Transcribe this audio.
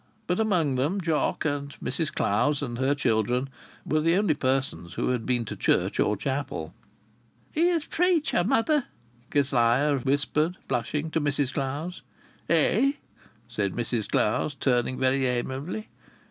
But among them Jock and Mrs Clowes and her children were the only persons who had been to church or chapel. "Here's preacher, mother!" Kezia whispered, blushing, to Mrs Clowes. "Eh," said Mrs Clowes, turning very amiably.